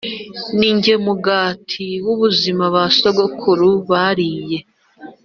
Ni jye mugatim w ubuzima Ba sokuruza baririye